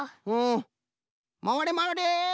まわれまわれ。